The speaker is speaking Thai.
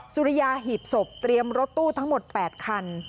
สุริยาหีบศพเตรียมรถตู้ทั้งหมด๘คัน